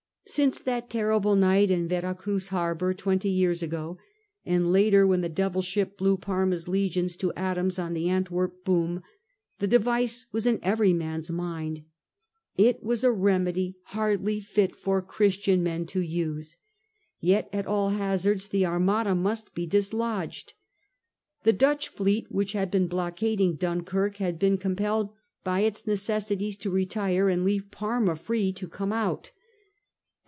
Since that ter rible night in Vera Cruz harbour twenty years j^o, and later, when the devil ship blew Parma's legions to atoms on the Antwerp boom, the device was in every man's mind. It was a remedy hardly fit for Christian men to use. Yet, at all hazards, the Armada must be dis lodged. The Dutch fleet, which had been blockading Dunkirk, had been compelled by its necessities to retire and leave Parma free to come out At